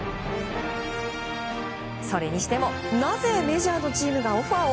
それにしても、なぜメジャーのチームがオファーを？